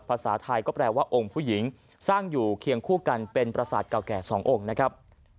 ภาษาไทยก็แปลว่าองค์ผู้หญิงสร้างอยู่เคียงคู่กันเป็นประสาทเก่าแก่สององค์นะครับ